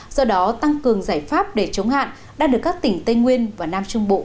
do đó tăng cường giải pháp để chống hạn đã được các tỉnh tây nguyên và nam trung bộ